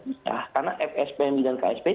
susah karena fspm dan kspi